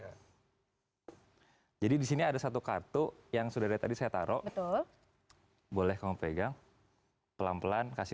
hai jadi di sini ada satu kartu yang sudah tanti saya taruh itu boleh kamu pegang pelan pelan kasih